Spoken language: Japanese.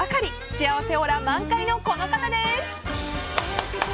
幸せオーラ満開のこの方です。